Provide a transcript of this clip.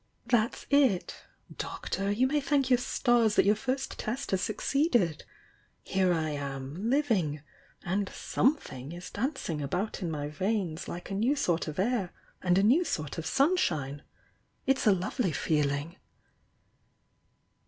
"That's it! Doctor, you may thank your stars that your first test has succeeded! Here I am, liv ing! — and something is dancing about in my veins uke a new sort of air and a new sort of sunshine! It 8 a lovely feeling!"